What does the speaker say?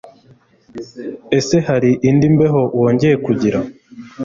Ese hari indi mbeho wongeye kugira